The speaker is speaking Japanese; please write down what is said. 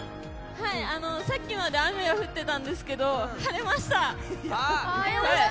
さっきまで雨が降ってたんですけど、晴れました！